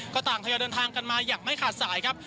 ก็ต่างทยอยเดินทางกันมาอย่างไม่ขาดสายครับ